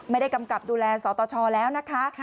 ไม่ได้กำกับดูแลสรตชแล้วนะคะ